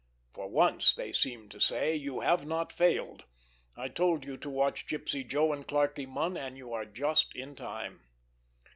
"For once," they seemed to say, "you have not failed. I told you to watch Gypsy Joe and Clarkie Munn, and you are just in time."